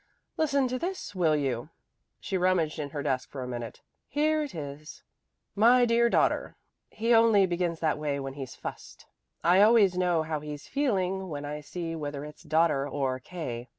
Listen to this, will you." She rummaged in her desk for a minute. "Here it is. "'My dear daughter' he only begins that way when he's fussed. I always know how he's feeling when I see whether it's 'daughter' or 'K.'